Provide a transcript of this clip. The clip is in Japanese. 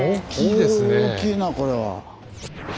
大きいなこれは。